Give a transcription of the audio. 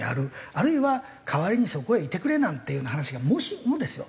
あるいは代わりにそこへいてくれなんていうような話がもしもですよ？